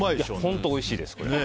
本当おいしいです。